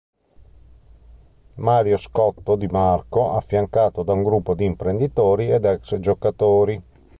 Mario Scotto di Marco affiancato da un gruppo di imprenditori ed ex-giocatori.